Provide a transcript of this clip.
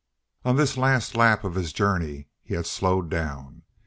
On this last lap of his long journey he had slowed down.